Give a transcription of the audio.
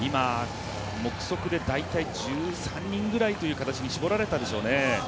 目測で大体１３人ぐらいに絞られたでしょうね。